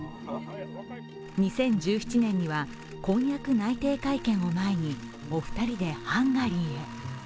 ２０１７年には婚約内定会見を前にお二人でハンガリーへ。